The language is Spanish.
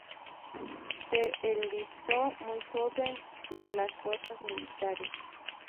Se enlistó muy joven en las fuerzas militares.